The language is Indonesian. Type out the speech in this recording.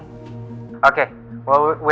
apa yang kamu mau lakukan